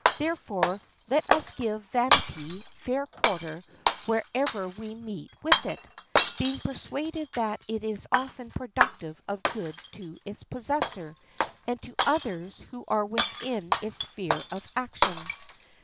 Therefore, let us give vanity fair quarter wherever we meet with it, being persuaded that it is often productive of good to its possessor, and to others who are within its sphere of action.